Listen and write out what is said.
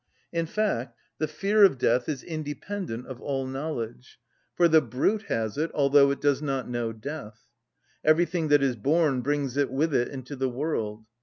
In fact, the fear of death is independent of all knowledge; for the brute has it, although it does not know death. Everything that is born brings it with it into the world.